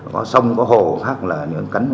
có sông có hồ hoặc là